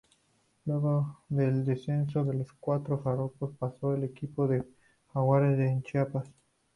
Luego del descenso del cuadro jarocho paso al equipo de Jaguares de Chiapas.